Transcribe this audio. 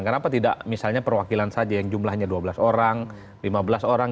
kenapa tidak misalnya perwakilan saja yang jumlahnya dua belas orang lima belas orang